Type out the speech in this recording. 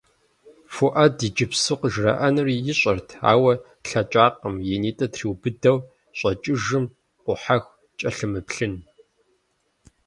Фуӏэд иджыпсту къыжраӏэнур ищӏэрт, ауэ лъэкӏакъым и нитӏыр триубыдэу щӏэкӏыжым къухьэху кӏэлъымыплъын.